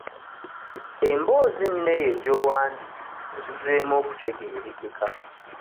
Emboozi nno eyo gy'owandiise ebuzeemu okutegeerekeka.